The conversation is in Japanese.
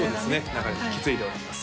流れを引き継いでおります